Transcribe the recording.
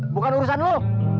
bukan urusan lu